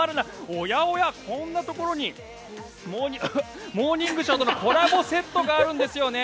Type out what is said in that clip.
おやおや、こんなところに「モーニングショー」とのコラボセットがあるんですよね。